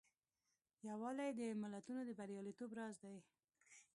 یووالی د ملتونو د بریالیتوب راز دی.